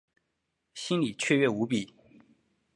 心里雀跃无比